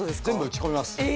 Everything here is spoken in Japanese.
全部打ち込みます。